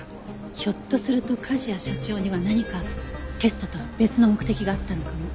ひょっとすると梶谷社長には何かテストとは別の目的があったのかも。